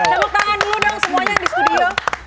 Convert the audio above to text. tepuk tangan dulu dong semuanya di studio